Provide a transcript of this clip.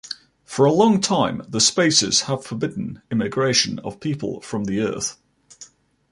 For a long time, the Spacers have forbidden immigration of people from the Earth.